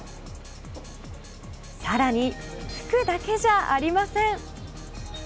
さらに、服だけじゃありません。